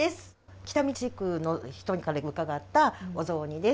北見地区の人から伺ったお雑煮です。